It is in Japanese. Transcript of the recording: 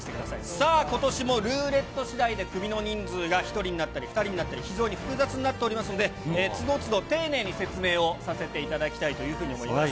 さあ、ことしもルーレットしだいでクビの人数が１人になったり２人になったり、非常に複雑になっておりますので、つどつど、丁寧に説明をさせていただきたいというふうに思います。